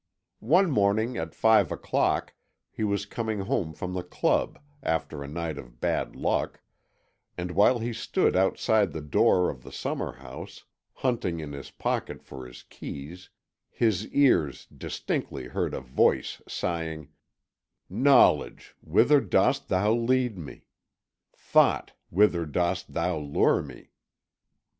One morning at five o'clock he was coming home from the club, after a night of bad luck, and while he stood outside the door of the summer house, hunting in his pocket for his keys, his ears distinctly heard a voice sighing: "Knowledge, whither dost thou lead me? Thought, whither dost thou lure me?"